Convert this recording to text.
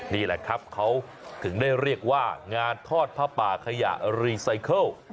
นี่แหละครับเขาถึงได้เรียกว่างานทอดผ้าป่าขยะรีไซเคิล